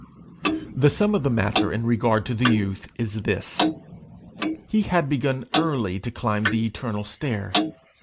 The sum of the matter in regard to the youth is this: He had begun early to climb the eternal stair.